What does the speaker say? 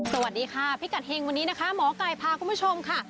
สวัสดีค่ะพิกัดเฮงวันนี้นะคะหมอกายพาก็มาชมค่ะ